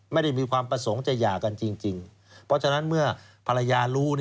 ไม่ได้มีความประสงค์จะหย่ากันจริงเพราะฉะนั้นเมื่อภรรยารู้